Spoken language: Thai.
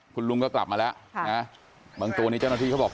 คุณลุงก็กลับมาแล้วนะบางตัวนี้เจ้าหน้าที่เขาบอก